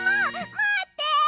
まって！